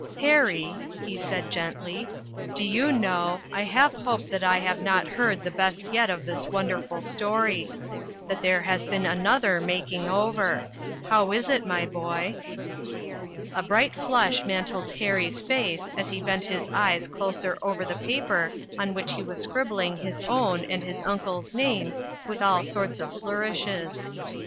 " Harry," he said gently, " do you know, I half hope that I have not heard the best yet of this wonderful story ; that there has been another ' making over.' How is it, my boy?" A bright flush mantled Harry's face as he bent his eyes closer over the paper on which he was scribbling his own and his uncle's names with all sorts of flourishes.